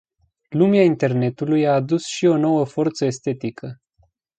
Lumea internetului a adus și o nouă forță estetică.